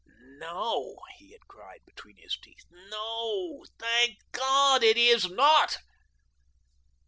"No," he had cried between his teeth, "no, thank God, it is not."